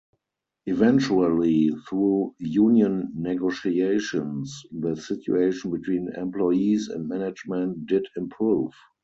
Eventually, through union negotiations, the situation between employees and management did improve.